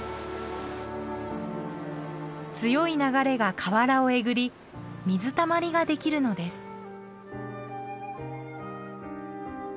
強い流れが河原をえぐり水たまりができるのです。